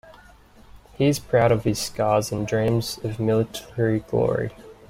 He is proud of his scars and dreams of military glory.